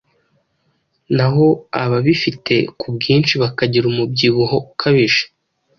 Naho ababifite ku bwinshi bakagira umubyibuho ukabije,